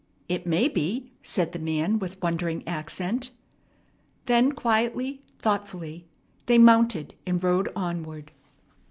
"It may be!" said the man with wondering accent. Then quietly, thoughtfully, they mounted and rode onward.